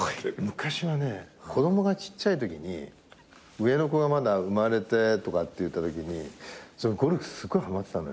昔はね子供がちっちゃいときに上の子がまだ生まれてとかっていったときにゴルフすごいはまってたの。